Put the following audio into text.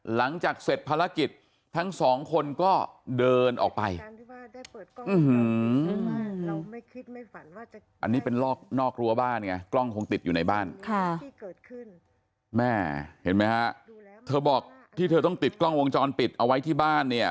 หลังจากเสร็จภารกิจทั้งสองคนก็เดินออกไป